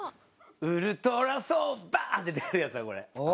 「ウルトラソウル」バンッ！って出るやつだこれ。